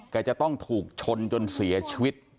จะต้องถูกชนจนเสียชีวิต